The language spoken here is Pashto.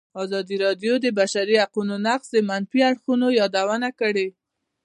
ازادي راډیو د د بشري حقونو نقض د منفي اړخونو یادونه کړې.